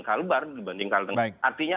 kalbar dibanding kalteng artinya